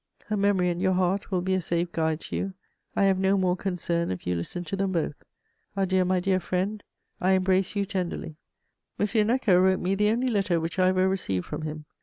Her memory and your heart will be a safe guide to you: I have no more concern if you listen to them both. Adieu, my dear friend, I embrace you tenderly." M. Necker wrote me the only letter which I ever received from him.